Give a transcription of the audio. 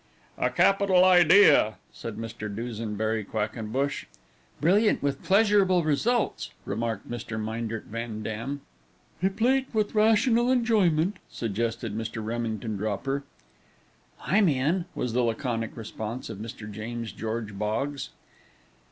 "A capital idea," said Mr. Dusenbury Quackenbush. "Brilliant with pleasurable results," remarked Mr. Myndert Van Dam. "Replete with rational enjoyment," suggested Mr. Remington Dropper. "I'm in," was the laconic response of Mr. James George Boggs.